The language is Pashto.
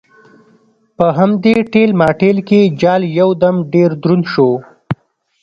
په همدې ټېل ماټېل کې جال یو دم ډېر دروند شو.